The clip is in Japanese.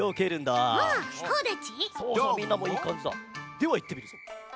ではいってみるぞ。